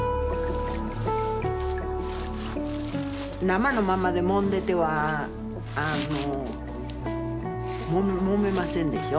生のまんまでもんでてはもめませんでしょ